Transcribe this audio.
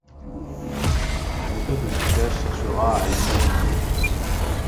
La méthode de stockage cherchera à immobiliser.